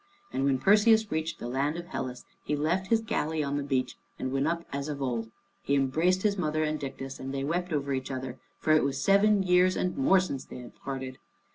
And when Perseus reached the land, of Hellas he left his galley on the beach, and went up as of old. He embraced his mother and Dictys, and they wept over each other, for it was seven years and more since they had parted.